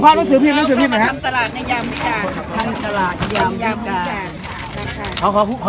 ท่านสลัดนิยามการคุณพี่อีกท่านหนึ่งครับ